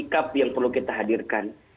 sikap yang perlu kita hadirkan